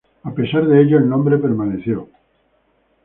A pesar de ello, el nombre permaneció.